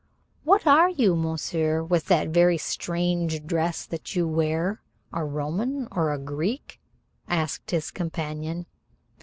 "What are you, monsieur, with that very strange dress that you wear, a Roman or a Greek?" asked his companion.